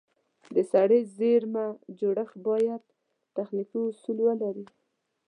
د سړې زېرمه جوړښت باید تخنیکي اصول ولري.